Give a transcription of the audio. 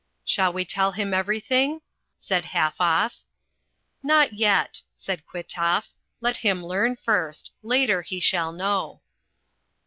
"Shall we tell him everything?" said Halfoff. "Not yet," said Kwitoff. "Let him learn first. Later he shall know."